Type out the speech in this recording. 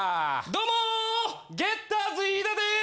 どうもゲッターズ飯田です。